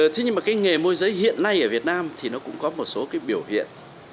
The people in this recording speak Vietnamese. thế nhưng mà cái nghề môi giới hiện nay ở việt nam thì nó cũng có một số cái biểu hiện